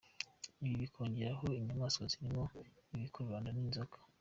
Ibi bikiyongeraho inyamaswa zirimo ibikururanda nk’inzoka.